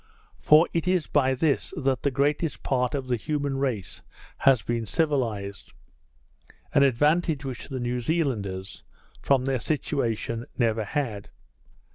For it is by this that the greatest part of the human race has been civilized; an advantage which the New Zealanders, from their situation, never had.